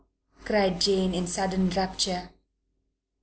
cried Jane in sudden rapture.